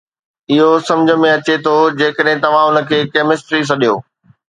اهو سمجھ ۾ اچي ٿو جيڪڏهن توهان ان کي ڪيمسٽري سڏيو